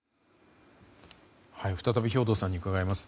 再び兵頭さんに伺います。